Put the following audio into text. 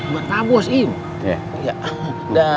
buat pak bos ini